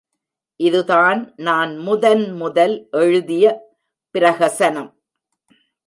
இதுதான் நான் முதன் முதல் எழுதிய பிரஹசனம்.